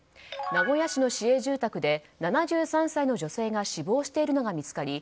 名古屋市の市営住宅で７３歳の女性が死亡しているのが見つかり